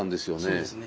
そうですね。